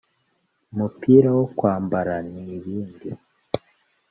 umupira wo kwambara n’ibindi